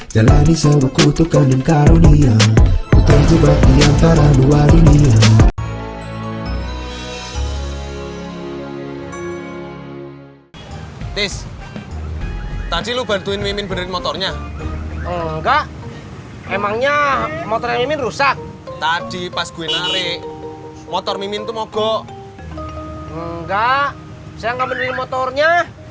jalani sewuku tukang dengan karunia putar jebak diantara dua dunia